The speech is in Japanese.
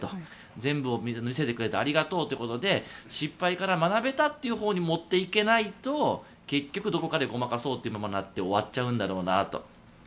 全部を見せてくれてありがとうということで失敗から学べたというほうに持っていけないと結局、どこかでごまかそうとなって終わっちゃうんだろうなと。